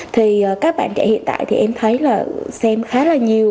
thì các bạn trẻ hiện tại thì em thấy là xem khá là nhiều